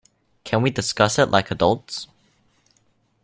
Can we discuss it like adults?